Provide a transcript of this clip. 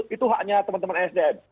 itu haknya teman teman sdm